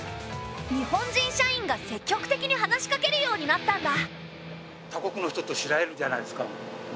日本人社員が積極的に話しかけるようになったんだ。